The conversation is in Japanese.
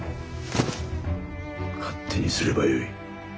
勝手にすればよい。